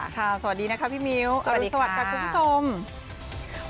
สวัสดีนะคะพี่มิ้วสวัสดีค่ะสวัสดีสวัสดีกับคุณผู้ชม